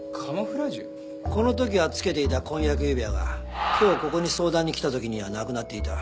この時はつけていた婚約指輪が今日ここに相談に来た時にはなくなっていた。